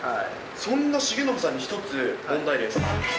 そんな重信さんに１つ問題です。